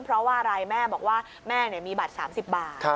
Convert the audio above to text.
เพราะว่าอะไรแม่บอกว่าแม่มีบัตร๓๐บาท